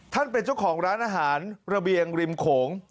เป็นเจ้าของร้านอาหารระเบียงริมโขง